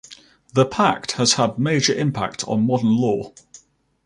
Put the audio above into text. The pact has had major impact on modern law.